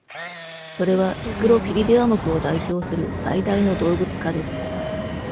それは、シクロフィリデア目を代表する最大の動物科です。